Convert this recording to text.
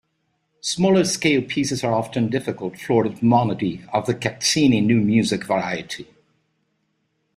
Smaller scale pieces are often difficult florid monody of the Caccini "new music" variety.